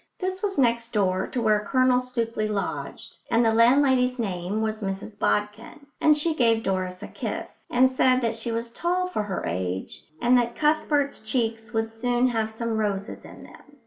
This was next door to where Colonel Stookley lodged, and the landlady's name was Mrs Bodkin; and she gave Doris a kiss, and said that she was tall for her age and that Cuthbert's cheeks would soon have some roses in them.